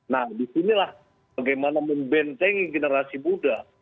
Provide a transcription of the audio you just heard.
nah disinilah bagaimana membentengi generasi muda